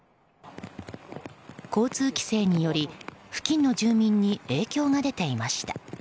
交通規制により付近の住民に影響が出ていました。